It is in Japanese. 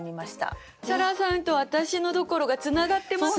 沙羅さんと私のところがつながってますね。